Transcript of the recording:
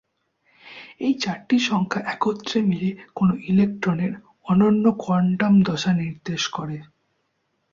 এই চারটি সংখ্যা একত্রে মিলে কোন ইলেকট্রনের অনন্য কোয়ান্টাম দশা নির্দেশ করে।